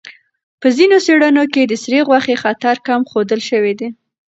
په ځینو څېړنو کې د سرې غوښې خطر کم ښودل شوی دی.